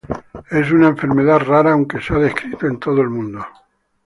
Es una enfermedad rara, aunque se ha descrito en todo el mundo.